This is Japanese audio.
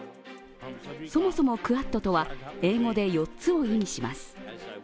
そもそもクアッドとは英語で「４つ」を意味します。